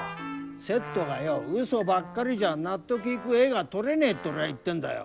セットがようそばっかりじゃ納得いく画が撮れねえって俺は言ってんだよ。